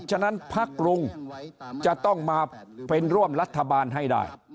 ฉะนั้นพักรุงจะต้องมาเป็นร่วมรัฐบาลให้ได้